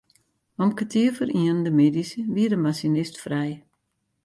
Om kertier foar ienen de middeis wie de masinist frij.